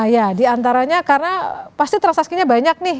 ya diantaranya karena pasti transaksinya banyak nih